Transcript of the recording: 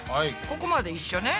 ここまで一緒ね。